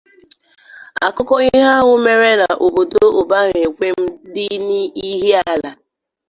Akụkọ ihe ahụ mere n'obodo Ubahuekwem dị n'Ihiala